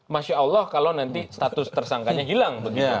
masya allah kalau nanti status tersangkanya hilang begitu